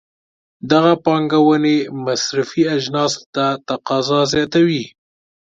دغه پانګونې مصرفي اجناسو ته تقاضا زیاتوي.